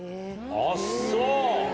あっそう。